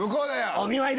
お見舞いだ。